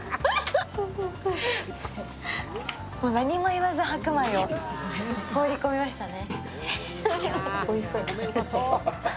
何も言わず白米を放り込みましたね。